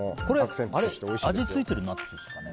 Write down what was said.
味付いてるナッツですかね？